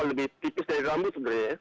lebih tipis dari rambut sebenarnya ya